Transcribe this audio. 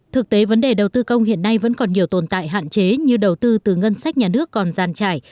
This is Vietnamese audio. thực tế vấn đề đầu tư công hiện nay vẫn còn nhiều tồn tại hạn chế như đầu tư từ ngân sách nhà nước còn giàn trải